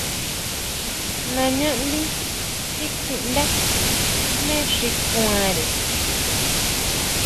Nañá ndí tikjíʼndá jmé xi kuanre.